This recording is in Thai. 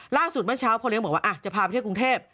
ล่างสุดเมื่อเช้าพ่อเลี้ยงบอกว่าจะพาไปที่กรุงเทพฯ